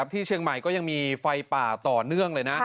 ที่เชียงใหม่ก็ยังมีไฟป่าต่อเนื่องเลยนะ